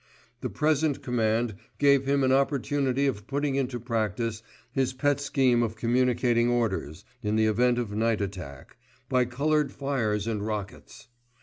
The present command gave him an opportunity of putting into practice his pet scheme of communicating orders, in the event of night attack, by coloured fires and rockets.